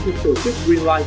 thực tổ chức green life